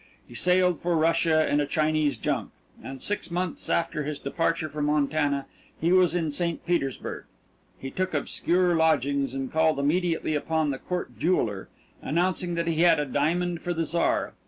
He sailed for Russia in a Chinese junk, and six months after his departure from Montana he was in St. Petersburg. He took obscure lodgings and called immediately upon the court jeweller, announcing that he had a diamond for the Czar.